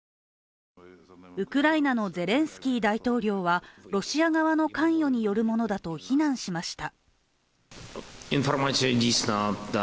ウクライナのゼレンスキー大統領はロシア側の関与によるものだと非難しました。